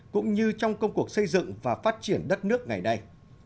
cũng như trong công cuộc xây dựng và phát triển đất nước ngày nay